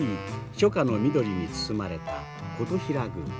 初夏の緑に包まれた金刀比羅宮。